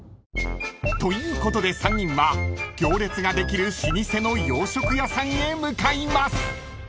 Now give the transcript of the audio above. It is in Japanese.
［ということで３人は行列ができる老舗の洋食屋さんへ向かいます］